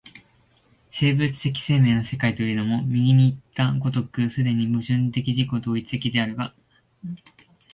生物的生命の世界といえども、右にいった如く既に矛盾的自己同一的であるが、